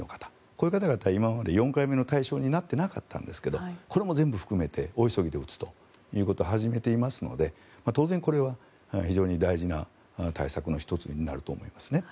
こういう方々は今まで４回目の対象になっていなかったんですがこれも全部含めて大急ぎで打つことを始めていますので当然、これは非常に大事な対策の１つになると思います。